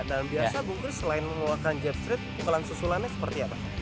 dan biasa bung chris selain mengeluarkan jab straight pukulan susulannya seperti apa